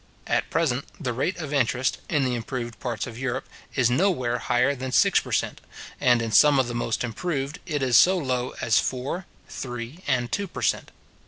At present, the rate of interest, in the improved parts of Europe, is nowhere higher than six per cent.; and in some of the most improved, it is so low as four, three, and two per cent.